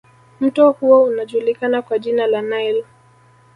Mto huo unajulikana kwa jina la Nile